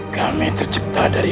kami tercipta dari